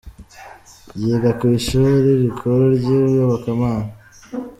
Yiga ku shuri rikuru ry’ iyobokamana.